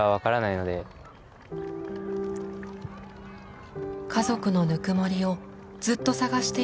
家族のぬくもりをずっと探していたといいます。